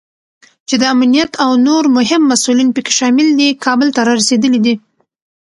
چې د امنیت او نور مهم مسوولین پکې شامل دي، کابل ته رارسېدلی دی